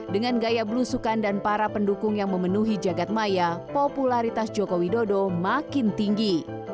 dengan gaya belusukan dan para pendukung yang memenuhi jagad maya popularitas joko widodo makin tinggi